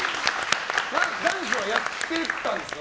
ダンスはやってたんですか？